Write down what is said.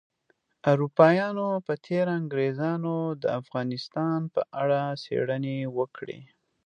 اروپایانو په تیره انګریزانو د افغانستان په اړه څیړنې وکړې